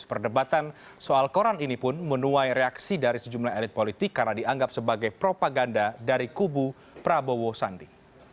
perdebatan soal koran ini pun menuai reaksi dari sejumlah elit politik karena dianggap sebagai propaganda dari kubu prabowo sandi